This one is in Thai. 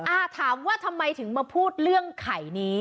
อ่าถามว่าทำไมถึงมาพูดเรื่องไข่นี้